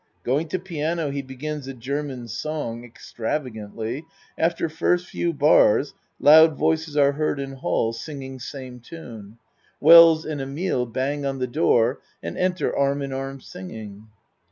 (Going to piano he begins a German song extravagantly after first few bars loud voices are heard in hall singing ACT 1 ti same tune. Wells and Emile bang on the door and enter arm in arm singing.